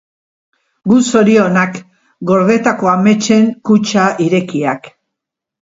Gu zorionak, gordetako ametsen kutxa irekiak.